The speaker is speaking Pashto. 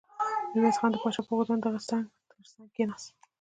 ميرويس خان د پاچا په غوښتنه د هغه تر څنګ کېناست.